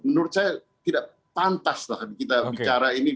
menurut saya tidak pantas lah kita bicara ini